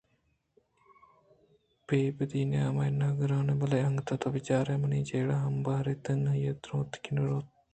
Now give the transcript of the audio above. پہ بدی نامے نہ گراں بلئے اگاں تو بچارئے منی جیڑہ ہم باریں تاں آئی ءَ رواَنت کہ نہ رواَنت